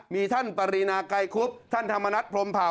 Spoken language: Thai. มีท่านปรีนาไกรคุบท่านธรรมนัฐพรมเผา